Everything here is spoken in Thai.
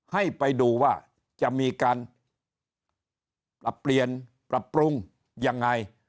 ให้ไปดูว่าจะมีการปรับเปลี่ยนปรับปรุงยังไง